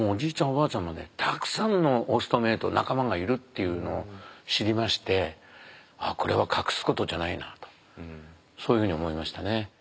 おばあちゃんまでたくさんのオストメイト仲間がいるっていうのを知りましてこれは隠すことじゃないなとそういうふうに思いましたね。